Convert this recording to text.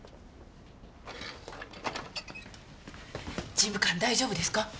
事務官大丈夫ですか？